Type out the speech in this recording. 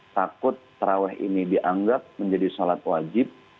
takut terawih ini dianggap menjadi sholat wajib